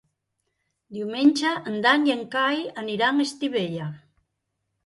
Diumenge en Dan i en Cai aniran a Estivella.